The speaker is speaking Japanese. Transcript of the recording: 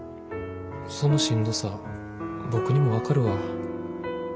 そのしんどさは僕にも分かるわ。